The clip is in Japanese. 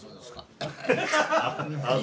ああ